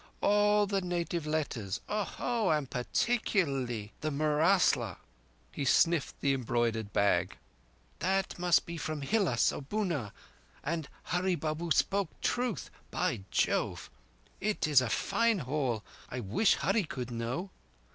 All the native letters—oho!—and particularly the murasla." He sniffed the embroidered bag. "That must be from Hilás or Bunár, and Hurree Babu spoke truth. By Jove! It is a fine haul. I wish Hurree could know